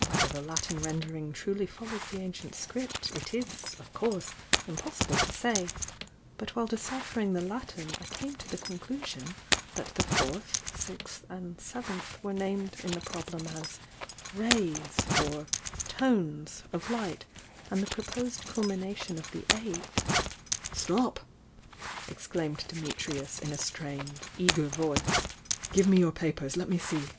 Whether the Latin rendering truly follows the ancient script, it is, of course, impossible to say, — but while deciphering the Latin, 1 came to the conclusion that the Fourth, Sixth and Seventh were named in the problem as 'rays' or 'tones' of light, and the proposed culmination of the Eighth " "Stop!" exclaimed Dimitrius, in a strained, eager voice. "Give me your papers! — let me see!"